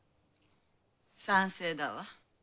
賛成だわ。